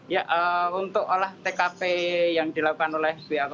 ya untuk olah tkp yang dilakukan oleh bkp